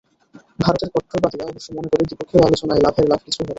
ভারতের কট্টরবাদীরা অবশ্য মনে করে, দ্বিপক্ষীয় আলোচনায় লাভের লাভ কিছু হবে না।